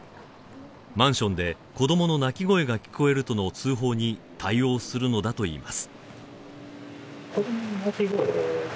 マンションで子どもの泣き声が聞こえるとの通報に対応するのだといいます